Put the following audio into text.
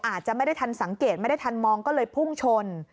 อาจจะไม่ได้ทันสังเกตไม่ได้ทันมองก็เลยพุ่งชน